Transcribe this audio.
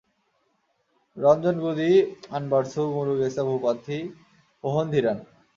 Ranjangudi আনবারসু Murugesa ভূপাথি ওহনধীরান।